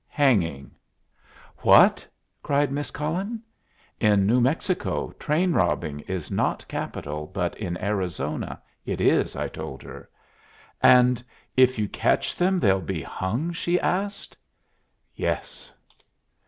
"Hanging." "What?" cried Miss Cullen. "In New Mexico train robbing is not capital, but in Arizona it is," I told her. "And if you catch them they'll be hung?" she asked. "Yes."